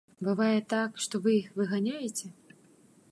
Бывае так, што вы іх выганяеце?